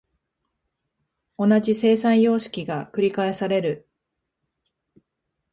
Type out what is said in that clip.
同じ生産様式が繰返される。